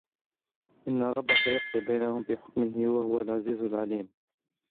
إِنَّ رَبَّكَ يَقضي بَينَهُم بِحُكمِهِ وَهُوَ العَزيزُ العَليمُ